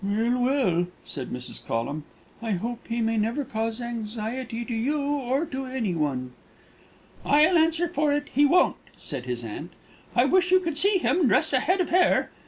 "Well, well," said Mrs. Collum, "I hope he never may cause anxiety to you, or to any one." "I'll answer for it, he won't," said his aunt. "I wish you could see him dress a head of hair."